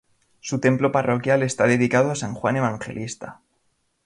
Su templo parroquial está dedicado a San Juan Evangelista.